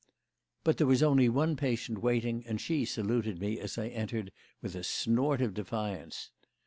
But there was only one patient waiting, and she saluted me as I entered with a snort of defiance.